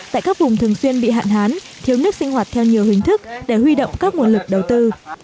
tại các vùng thường xuyên bị hạn hán thiếu nước sinh hoạt theo nhiều hình thức để huy động các nguồn lực đầu tư